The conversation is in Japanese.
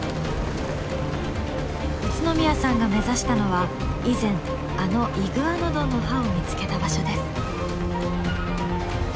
宇都宮さんが目指したのは以前あのイグアノドンの歯を見つけた場所です。